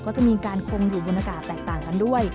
ก็จะมีการคงอยู่บนอากาศแตกต่างกันด้วย